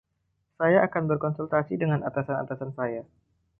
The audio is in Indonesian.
Saya akan berkonsultasi dengan atasan-atasan saya.